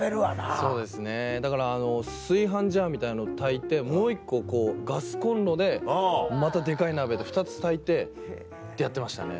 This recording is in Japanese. そうですねだから炊飯ジャーみたいの炊いてもう１個ガスコンロでまたデカい鍋で２つ炊いてってやってましたね。